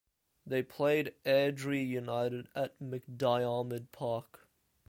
They played Airdrie United at McDiarmid Park.